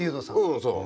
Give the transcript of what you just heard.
うんそう。